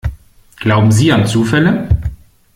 Glauben Sie an Zufälle?